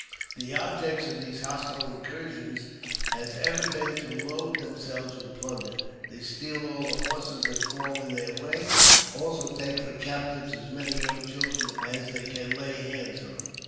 The object of these hostile incursions has ever been to load themselves with plunder. They steal all the horses that fall in their way, and also take for captives as many young children as they can lay hands on.